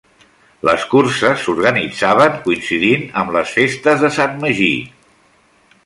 Les curses s'organitzaven coincidint amb les Festes de Sant Magí.